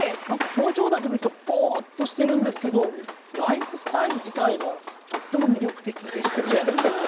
何か表情だけ見るとぼっとしてるんですけどライフスタイル自体はとっても魅力的でしたね。